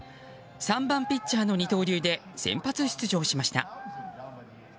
３番ピッチャーの二刀流で先発出場しました。